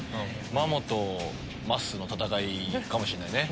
マモとまっすーの戦いかもしれないね。